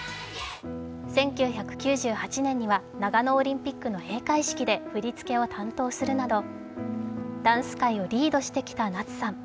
１９９８年には長野オリンピックの閉会式で振り付けを担当するなど、ダンス界をリードしてきた夏さん。